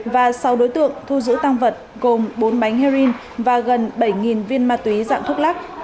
và sáu đối tượng thu giữ tăng vật gồm bốn bánh heroin và gần bảy viên ma túy dạng thuốc lắc